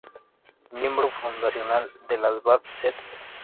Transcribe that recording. Miembro fundacional de los Bad Seeds.